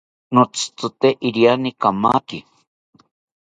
Notzitzite iriani kamaki